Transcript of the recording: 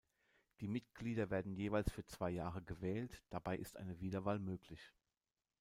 Die Mitglieder werden jeweils für zwei Jahre gewählt; dabei ist eine Wiederwahl möglich.